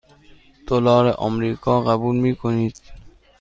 دلار آمریکا قبول می کنید؟